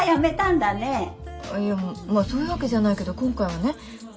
いやそういうわけじゃないけど今回はね。